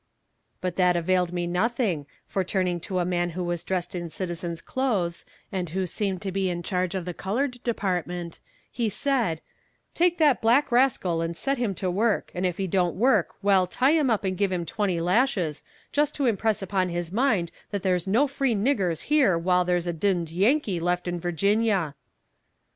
But that availed me nothing, for turning to a man who was dressed in citizen's clothes and who seemed to be in charge of the colored department, he said: "Take that black rascal and set him to work, and if he don't work well tie him up and give him twenty lashes, just to impress upon his mind that there's no free niggers here while there's a d d Yankee left in Virginia."